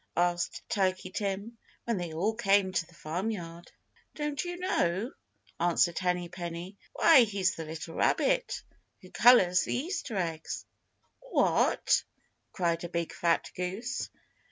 asked Turkey Tim when they all came to the Farm Yard. "Don't you know?" answered Henny Penny. "Why, he's the little rabbit who colors the Easter Eggs!" "What!" cried a big fat goose.